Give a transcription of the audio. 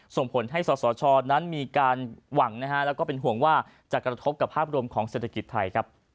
ส่งผลให้สสชนั้นมีการหวังแล้วก็เป็นห่วงว่าจะกระทบกับภาพรวมของเศรษฐกิจไทยครับ